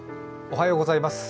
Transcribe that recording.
おはようございます。